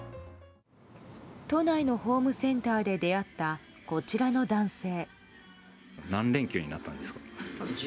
都内のホームセンターで出会ったこちらの男性。